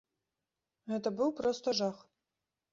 Гэта быў проста жах.